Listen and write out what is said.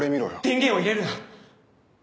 電源を入れるな。